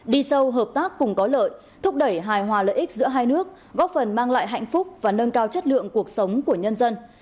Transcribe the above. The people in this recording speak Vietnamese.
đi sâu hợp tác cùng có lợi thúc đẩy hài hòa lợi ích giữa hai nước góp phần mang lại hạnh phúc và nâng cao chất lượng cuộc sống của nhân dân